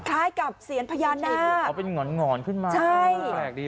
คล้ายกับเสียงพญานาคเอาเป็นหงอนขึ้นมาแปลกดี